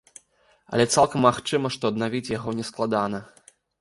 Але цалкам магчыма, што аднавіць яго не складана.